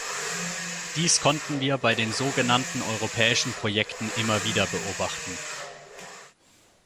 Dies konnten wir bei den so genannten europäischen Projekten immer wieder beobachten.